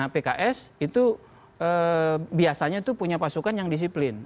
pks itu biasanya itu punya pasukan yang disiplin